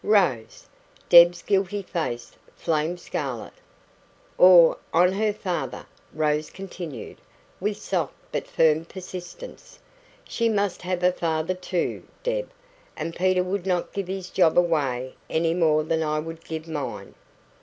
"Rose!" Deb's guilty face flamed scarlet. "Or on her father," Rose continued, with soft but firm persistence. "She must have a father too, Deb, and Peter would not give his job away any more than I would give mine.